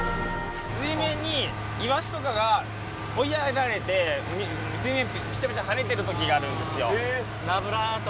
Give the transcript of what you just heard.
水面にイワシとかが追いやられて、水面にぴちゃぴちゃ跳ねてるときがあるんですよ。